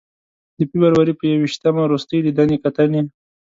د فبروري په ی ویشتمه روستۍ لیدنې کتنې.